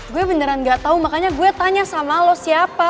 gue beneran gak tau makanya gue tanya sama lo siapa